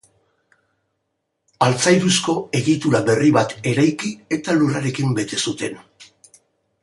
Altzairuzko egitura berri bat eraiki eta lurrarekin bete zuten.